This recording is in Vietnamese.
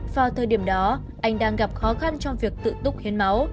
vào thời điểm đó anh đang gặp khó khăn trong việc tự túc hiến máu